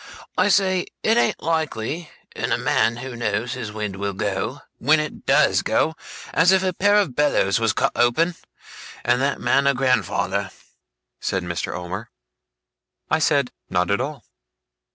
I say it ain't likely, in a man who knows his wind will go, when it DOES go, as if a pair of bellows was cut open; and that man a grandfather,' said Mr. Omer. I said, 'Not at all.